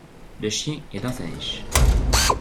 Le chien est dans sa niche.